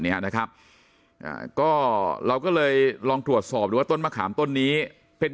เนี้ยนะครับอ่าก็เราก็เลยลองตรวจสอบดูว่าต้นมะขามต้นนี้เป็น